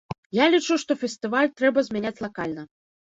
Я лічу, што фестываль трэба змяняць лакальна.